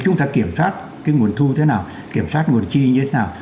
chúng ta kiểm soát cái nguồn thu thế nào kiểm soát nguồn chi như thế nào